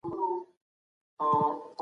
که خلګ ومني، سوله کېږي.